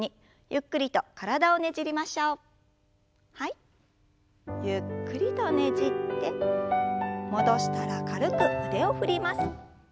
ゆっくりとねじって戻したら軽く腕を振ります。